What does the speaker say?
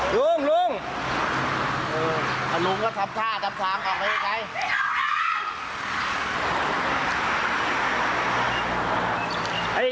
ลุงลุงเด็กเดี๋ยวก่อน